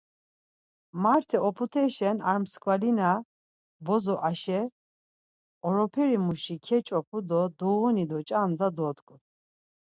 Marte oput̆eşen ar mskvalina bozo Aşe, oroperi muşi keç̌opu do duğuni do ç̌anda dodgu.